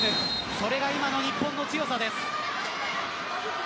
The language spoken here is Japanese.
それが今の日本の強さです。